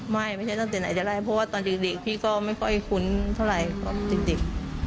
ไม่ใช่ตั้งแต่ไหนจะได้เพราะว่าตอนเด็กพี่ก็ไม่ค่อยคุ้นเท่าไหร่จริง